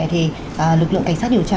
thì lực lượng cảnh sát điều tra